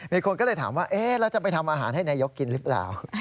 มีคนก็เลยถามว่าแล้วจะไปทำอาหารให้นายกกินหรือเปล่า